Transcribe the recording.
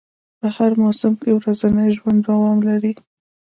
په هر موسم کې ورځنی ژوند دوام لري